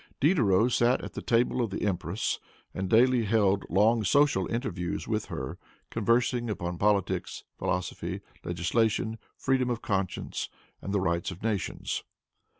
Diderot sat at the table of the empress, and daily held long social interviews with her, conversing upon politics, philosophy, legislation, freedom of conscience and the rights of nations.